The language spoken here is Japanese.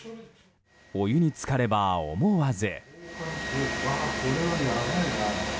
お湯に浸かれば、思わず。